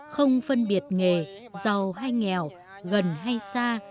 không phân biệt nghề giàu hay nghèo gần hay xa